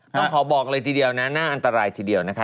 ต้องขอบอกเลยทีเดียวนะน่าอันตรายทีเดียวนะคะ